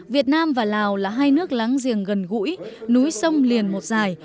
việt nam và lào là hai nước láng giềng gần gũi núi sông liền một dài